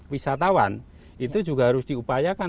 wisatawan itu juga harus diupayakan